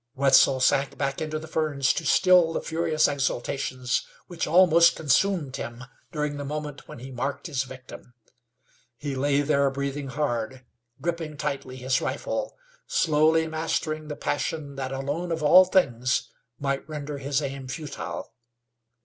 Wetzel sank back into the ferns to still the furious exultations which almost consumed him during the moment when he marked his victim. He lay there breathing hard, gripping tightly his rifle, slowly mastering the passion that alone of all things might render his aim futile.